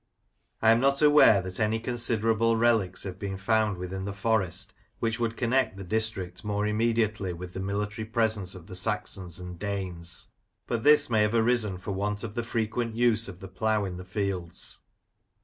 I am not aware that any considerable relics have been found within the Forest which would connect the district more immediately with the military presence of the Saxons and Danes; but this may have arisen for want of the frequent use of the plough in the fields.